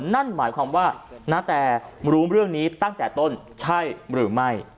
นั่นหมายความว่าณแตรู้เรื่องนี้ตั้งแต่ต้นใช่หรือไม่